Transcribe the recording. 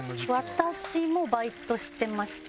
私もバイトしてました。